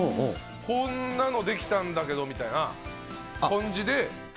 こんなの出来たんだけどみたいな感じで。